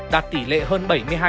đạt tỷ lệ hơn bảy mươi hai